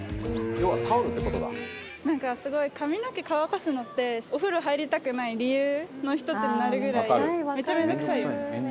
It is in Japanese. なんかすごい髪の毛乾かすのってお風呂入りたくない理由の１つになるぐらい。